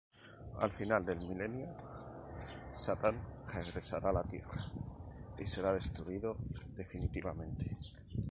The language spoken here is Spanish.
Al final del milenio, Satán regresará a la Tierra y será destruido definitivamente.